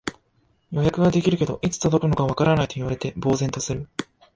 予約はできるけど、いつ届くのかわからないと言われて呆然とする